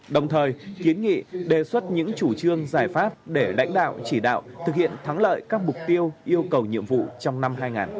đồng thời kiến nghị đề xuất những chủ trương giải pháp để lãnh đạo chỉ đạo thực hiện thắng lợi các mục tiêu yêu cầu nhiệm vụ trong năm hai nghìn hai mươi